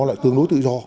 nó lại tương đối tự do